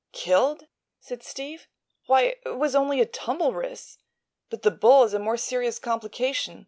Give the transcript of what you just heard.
"Killed?" said Steve; "why, it was only a tumble, Ris. But the bull is a more serious complication.